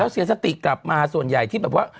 เสียสติกลับมาส่วนใหญ่ที่แบบว่า